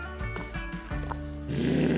うん。